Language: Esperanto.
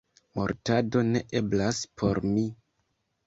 Mortado ne eblas por mi.